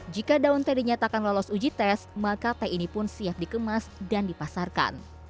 jika daun teh dinyatakan lolos uji tes maka teh ini pun siap dikemas dan dipasarkan